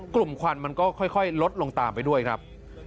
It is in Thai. ควันมันก็ค่อยลดลงตามไปด้วยครับ